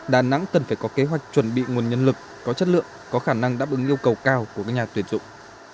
đà nẵng cần phải có kế hoạch chuẩn bị nguồn nhân lực có chất lượng có khả năng đáp ứng yêu cầu cao của các nhà tuyển dụng